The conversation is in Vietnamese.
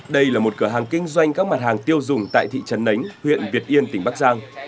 đây là một cửa hàng kinh doanh các mặt hàng tiêu dùng tại thị trấn nánh huyện việt yên tỉnh bắc giang